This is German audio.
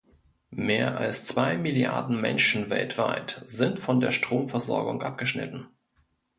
Mehr als zwei Milliarden Menschen weltweit sind von der Stromversorgung abgeschnitten.